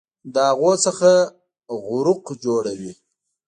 له هغو څخه غروق جوړوي